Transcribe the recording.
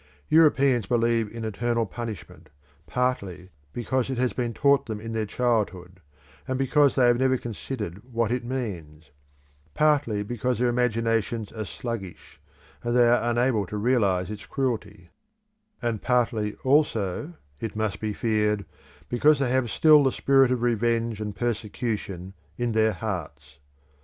Europeans believe in eternal punishment, partly because it has been taught them in their childhood and because they have never considered what it means; partly because their imaginations are sluggish, and they are unable to realise its cruelty; and partly also, it must be feared, because they have still the spirit of revenge and persecution in their hearts.